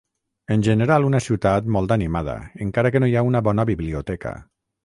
En general, una ciutat molt animada, encara que no hi ha una bona biblioteca.